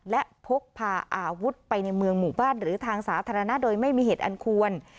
และพกพาอาวุธไปในเมืองหมู่บ้านหรือทางสาธารณะโดยไม่มีเหตุอันควร